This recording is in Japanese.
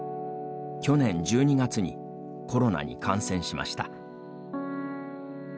去年１２月にコロナに感染しました。